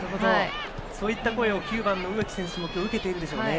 そういった声を９番の植木選手も今日受けているんでしょうね。